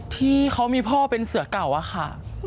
ที่เขามีพ่อเป็นเสือเก่าอะค่ะ